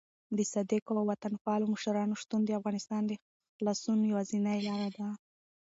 د صادقو او وطن پالو مشرانو شتون د افغانستان د خلاصون یوازینۍ لاره ده.